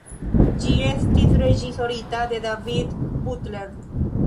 Ĝi estis reĝisorita de David Butler.